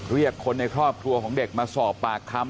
เรียกคนในครอบครัวของเด็กมาสอบปากคำ